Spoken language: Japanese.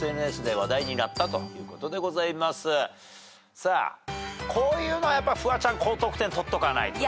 さあこういうのはやっぱフワちゃん高得点取っとかないとな。